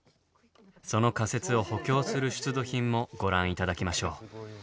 その仮説を補強する出土品もご覧頂きましょう。